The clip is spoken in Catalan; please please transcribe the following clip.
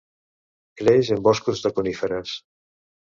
Creix en boscos de coníferes.